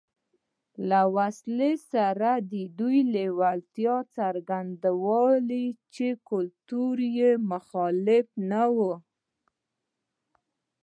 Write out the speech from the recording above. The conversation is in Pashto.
له وسلې سره د دوی لېوالتیا څرګندوله چې کلتور یې مخالف نه و